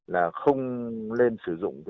là không lên sử dụng nước sông cầu bây